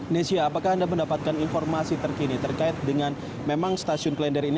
nesya apakah anda mendapatkan informasi terkini terkait dengan memang stasiun klender ini